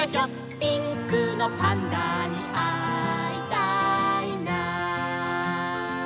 「ピンクのパンダにあいたいな」